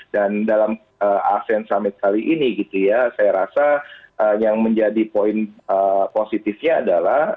dan dalam asean summit kali ini gitu ya saya rasa yang menjadi poin positifnya adalah